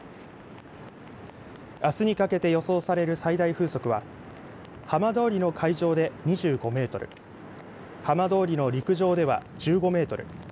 あすにかけて予想される最大風速は浜通りの海上で２５メートル浜通りの陸上では１５メートル